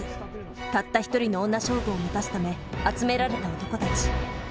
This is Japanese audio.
たった一人の女将軍を満たすため集められた男たち。